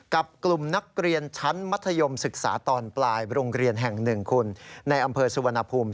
กับกลุ่มนักเรียนชั้นมัธยมศึกษาตอนปลายโรงเรียนแห่งหนึ่งคุณในอำเภอสุวรรณภูมิ